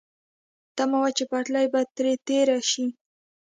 تمه وه چې پټلۍ به ترې تېره شي.